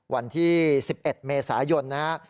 วันที่๑๑เมษายนนะครับ